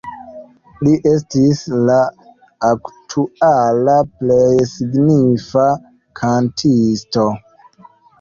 Li estis la aktuala plej signifa kantisto.